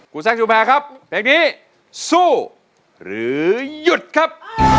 คุณแซคชุมแพงครับเดี๋ยวพี่สู้หรือยุดครับ